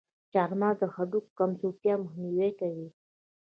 چارمغز د هډوکو کمزورتیا مخنیوی کوي.